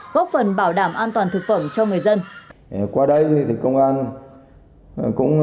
góp phần bảo đảm an toàn thực phẩm cho người dân